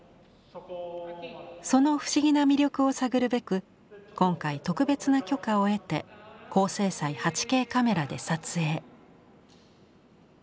その不思議な魅力を探るべく今回特別な許可を得て高精細８Ｋカメラで撮影。